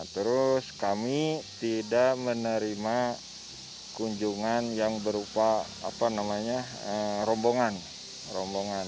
terus kami tidak menerima kunjungan yang berupa rombongan rombongan